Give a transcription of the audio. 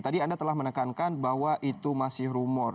tadi anda telah menekankan bahwa itu masih rumor